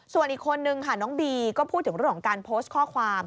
ส่วนอีกคนนึงค่ะน้องบีก็พูดถึงเรื่องของการโพสต์ข้อความ